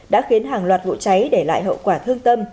đã khiến hàng loạt vụ cháy để lại hậu quả thương tâm